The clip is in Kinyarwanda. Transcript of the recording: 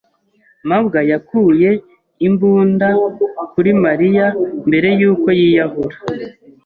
[S] mabwa yakuye imbunda kuri Mariya mbere yuko yiyahura.